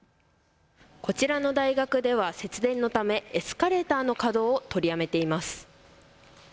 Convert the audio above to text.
こちらの大学では節電のためエスカレーターの稼働を取りやめています。